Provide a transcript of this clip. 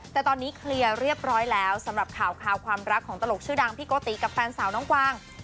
แต่ตอนนี้เคลียร์เรียบร้อยแล้วสำหรับข่าวความรักของตลกชื่อดังพี่โกติกับแฟนสาวน้องกวาง